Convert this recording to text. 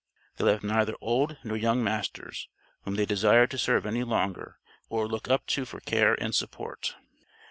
They left neither old nor young masters, whom they desired to serve any longer or look up to for care and support.